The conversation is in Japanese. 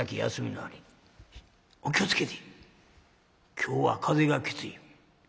「今日は風がきつい。